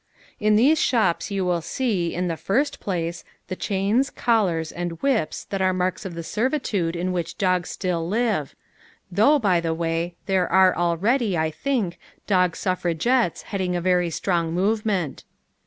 In these shops you will see, in the first place, the chains, collars, and whips that are marks of the servitude in which dogs still live (though, by the way, there are already, I think, dog suffragettes heading a very strong movement).